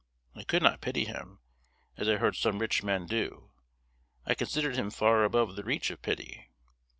I could not pity him, as I heard some rich men do. I considered him far above the reach of pity.